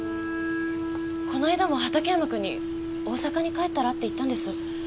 この間も畑山君に大阪に帰ったら？って言ったんです。